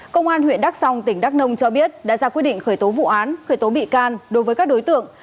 công an huyện đắk song tỉnh đắk nông cho biết đã ra quyết định khởi tố vụ án khởi tố bị can đối với các đối tượng